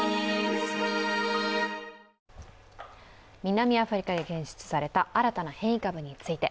南アフリカで検出された新たな変異株について。